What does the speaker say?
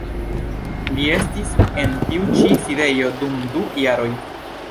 Li estis en tiu ĉi sidejo dum du jaroj.